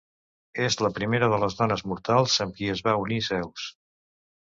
És la primera de les dones mortals amb qui es va unir Zeus.